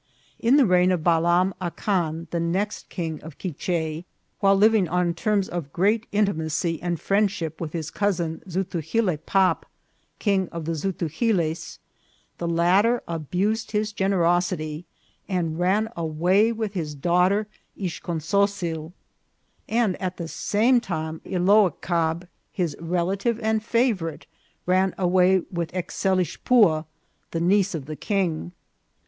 In the reign of Balam Acan, the next king of Quiche, while living on terms of great intimacy and friendship with his cousin Zutugilebpop, king of the Zutugiles, the latter abused his generosity and ran away with his daughter Ixconsocil ; and at the same time Iloacab, his relative and favourite, ran away with Ecselixpua, the niece of the king.